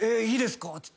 「いいですか？」